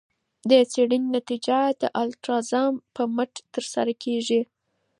د څیړنې نتیجه د الالتزام په مټ ترلاسه کیږي.